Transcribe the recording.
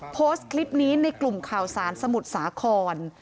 โพสต์คลิปนี้ในกลุ่มข่าวสารสมุทรสาคร